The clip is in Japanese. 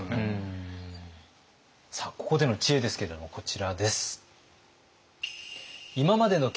さあここでの知恵ですけれどもこちらです。